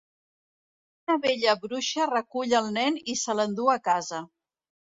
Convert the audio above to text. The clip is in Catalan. Una vella bruixa recull el nen i se l'endú a casa.